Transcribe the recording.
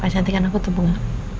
kenapa cantik anakku tuh bunga